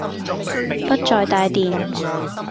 不再帶電